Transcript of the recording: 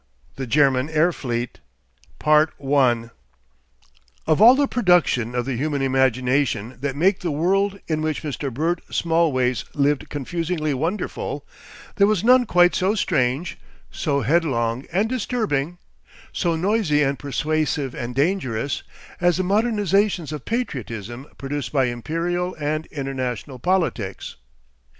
THE GERMAN AIR FLEET 1 Of all the productions of the human imagination that make the world in which Mr. Bert Smallways lived confusingly wonderful, there was none quite so strange, so headlong and disturbing, so noisy and persuasive and dangerous, as the modernisations of patriotism produced by imperial and international politics.